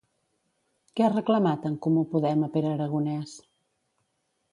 Què ha reclamat En Comú Podem a Pere Aragonès?